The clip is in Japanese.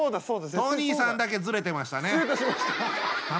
トニーさんだけずれてましたね。